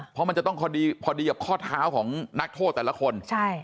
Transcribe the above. เพราะมันจะต้องพอดีกับข้อเท้าของนักโทษแต่ละคน